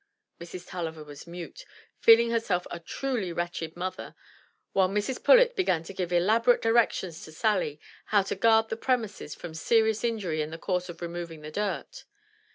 Mrs. Tulliver was mute, feeling herself a truly wretched mother, while Mrs. Pullet began to give elaborate directions to Sally how to guard the premises from serious injury in the course of removing the dirt.